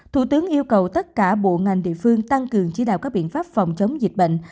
thủ tướng yêu cầu tất cả bộ ngành địa phương tăng cường chỉ đạo các biện pháp phòng chống dịch bệnh